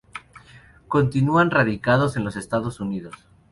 Continúan radicados en los Estados Unidos.